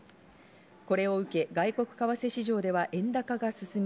これを受け、外国為替市場では円高が進み、